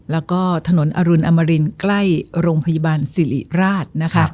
แล้วก็ถนนอรุณอมรินใกล้โรงพยาบาลสิริราชนะคะ